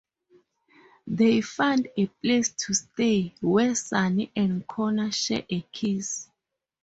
They find a place to stay, where Sunny and Connor share a kiss.